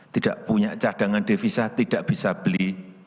tidak punya cadangan devisa tidak bisa beli